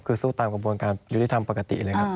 คือสู้ตามกระบวนการยุติธรรมปกติเลยครับ